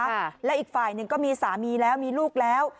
ค่ะและอีกฝ่ายหนึ่งก็มีสามีแล้วมีลูกแล้ว